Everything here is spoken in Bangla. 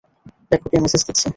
দেখ কে ম্যাসেজ দিচ্ছে।